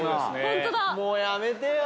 もうやめてよ。